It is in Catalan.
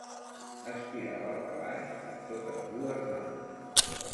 Estirava el calaix amb totes dues mans.